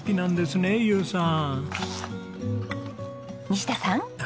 西田さん